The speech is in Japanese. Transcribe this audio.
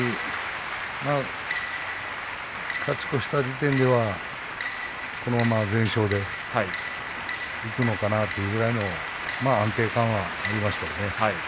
勝ち越した時点ではこのまま全勝でいくのかなというぐらいの安定感はありましたよね。